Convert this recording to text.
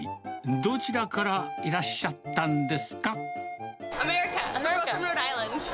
どちらからいらっしゃったんですか。